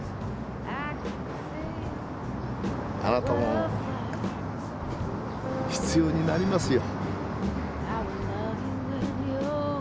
あなたも必要になりますよ。